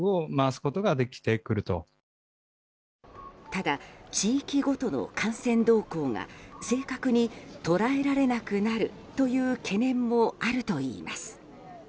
ただ、地域ごとの感染動向が正確に捉えられなくなるという懸念もあるといいます。